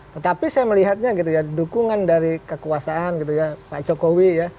tetapi saya melihatnya gitu ya dukungan dari kekuasaan gitu ya pak jokowi ya